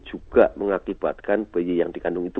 juga mengakibatkan bayi yang dikandung itu